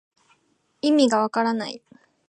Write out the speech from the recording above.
いみがわからない